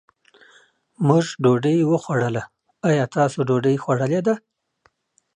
مونږ ډوډۍ وخوړله، ايا تاسو ډوډۍ خوړلې ده؟